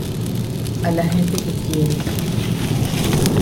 a la gente que quiero.